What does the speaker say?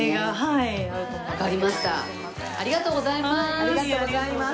ありがとうございます。